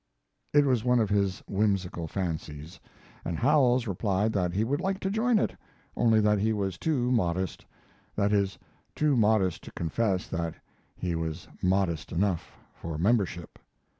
It was one of his whimsical fancies, and Howells replied that he would like to join it, only that he was too modest that is, too modest to confess that he was modest enough for membership.